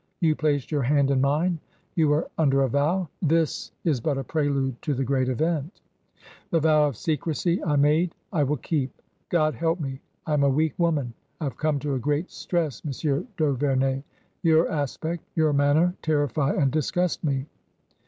You placed your hand in mine. You were under a vow. This is but a prelude to the great event." " The vow of secrecy I made I will keep. God help me ! I am a weak woman. I have come to a great stress. Monsieur d*Auvemey ! Your aspect, your man ner, terrify and disgust me."